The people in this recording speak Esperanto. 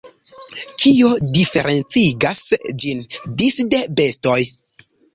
Kio diferencigas ĝin disde bestoj?